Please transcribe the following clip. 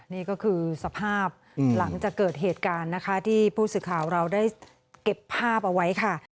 นี่ก็คือสภาพหลังจากเกิดเหตุการณ์นะคะที่ผู้สื่อข่าวเราได้เก็บภาพเอาไว้ค่ะ